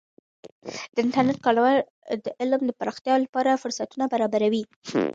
د انټرنیټ کارول د علم د پراختیا لپاره فرصتونه برابروي.